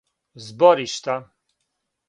зборишта